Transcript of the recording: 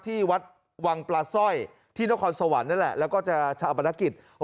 ที่วัดวังปลาสร้อยที่นครสวรรค์นั่นแหละแล้วก็จะชาปนกิจ